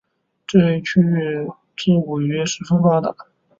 这一区域自古渔业十分发达。